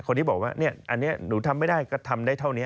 คนที่บอกว่าอันนี้หนูทำไม่ได้ก็ทำได้เท่านี้